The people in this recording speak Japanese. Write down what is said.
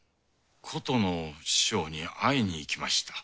琴の師匠に会いに行きました。